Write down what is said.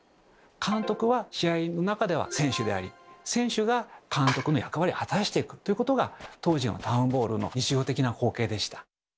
監督は試合の中では選手であり選手が監督の役割を果たしていくということが当時のタウン・ボールの日常的な光景でした。